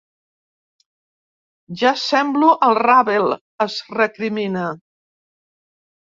"Ja semblo el Ravel", es recrimina.